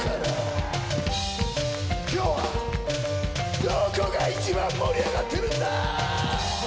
今日はどこが一番盛り上がってるんだ？